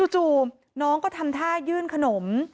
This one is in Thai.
จู่น้องก็ทำท่ายื่นขนม